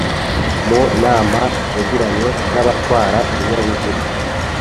mu nama yagiranye n’abatwara ibinyabiziga